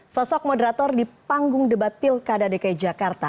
sosok moderator di panggung debat pilkada dki jakarta